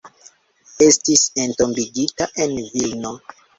Estis entombigita en Vilno.